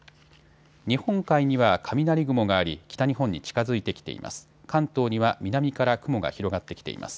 日本海には雷雲があり北日本に近づいてきています。